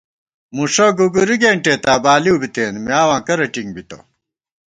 مُݭہ گُوگُری گېنٹېتابالِئیو بِتېن میاواں کرہ ٹِنگ بِتہ